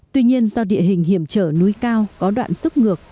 tuy nhiên do địa hình hiểm trở núi cao có đoạn xúc ngược